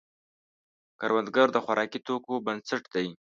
کروندګر د خوراکي توکو بنسټ دی